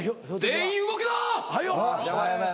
全員動くな！